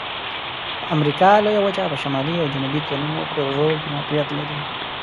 د امریکا لویه وچه په شمالي او جنوبي دوه نیمو کرو کې موقعیت لري.